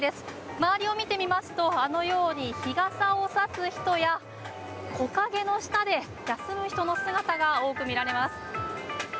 周りを見てみますとあのように、日傘を差す人や木陰の下で休む人の姿が多く見られます。